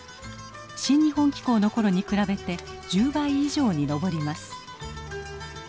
「新日本紀行」の頃に比べて１０倍以上に上ります。